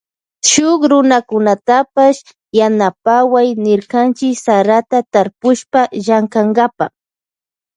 Shuk runakunatapash yanapaway nirkanchi sarata tarpushpa llankankapa.